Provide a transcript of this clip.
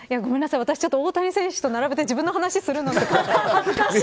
大谷選手と並べて自分の話をするの、恥ずかしい。